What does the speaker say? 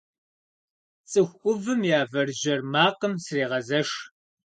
Цӏыху ӏувым я вэржьэр макъым срегъэзэш.